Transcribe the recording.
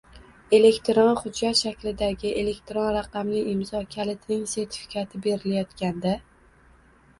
Elektron hujjat shaklidagi elektron raqamli imzo kalitining sertifikati berilayotganda